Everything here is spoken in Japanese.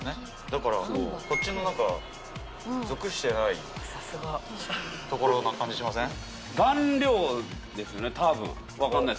だからこっちの属してないところな感じしません？ですよね多分。